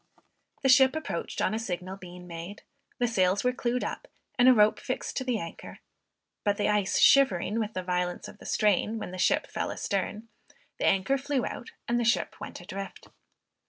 The ship approached on a signal being made, the sails were clewed up, and a rope fixed to the anchor; but the ice shivering with the violence of the strain when the ship fell astern, the anchor flew out and the ship went adrift.